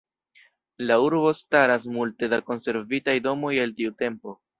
En la urbo staras multe da konservitaj domoj el tiu tempo.